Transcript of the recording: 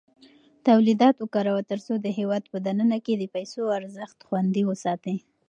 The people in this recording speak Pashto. تولیدات وکاروه ترڅو د هېواد په دننه کې د پیسو ارزښت خوندي وساتې.